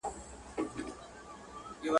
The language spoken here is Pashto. o څه خوره، څه پرېږده.